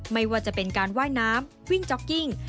ไม่ว่าจะเป็นการว่ายน้ำวิ่งจ๊อกกิ้ง